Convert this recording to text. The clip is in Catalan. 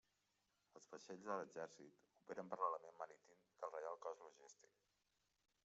Els vaixells de l'Exèrcit operen per l'element marítim del Reial Cos Logístic.